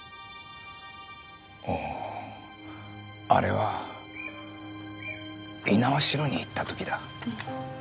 あれは猪苗代に行った時だ。